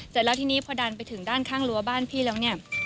เสร็จแล้วทีนี้พอดันไปถึงด้านข้างรั้วบ้านพี่แล้วเนี่ย